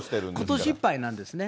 ことしいっぱいなんですよね。